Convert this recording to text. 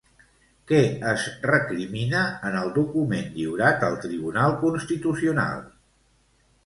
Què es recrimina en el document lliurat al Tribunal Constitucional?